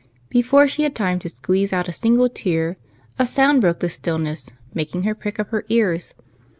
Before she had time to squeeze out a single tear a sound broke the stillness, making her prick up her ears.